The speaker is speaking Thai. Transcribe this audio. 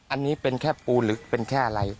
อันนี้เป็นแค่ปูหรือเป็นแค่อะไร